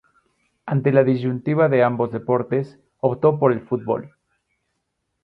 Ante la disyuntiva de ambos deportes optó por el fútbol.